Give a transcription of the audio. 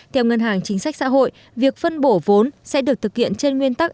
theo ngân hàng chính sách xã hội việc phân bổ vốn sẽ được thực hiện trên nguyên tắc